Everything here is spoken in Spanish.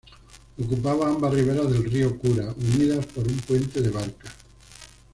Ocupaba ambas riberas del río Kura, unidas por un puente de barcas.